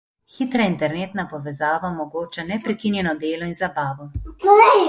Hitra internetna povezava omogoča neprekinjeno delo in zabavo.